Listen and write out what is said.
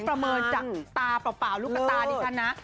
ประเมินจากตาเปล่าลูกตาดิฉันนะ